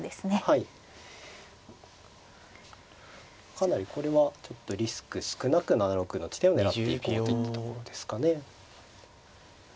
かなりこれはちょっとリスク少なく７六の地点を狙っていこうといったところですかね。